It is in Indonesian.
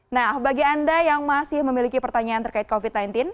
nah bagi anda yang masih memiliki pertanyaan terkait covid sembilan belas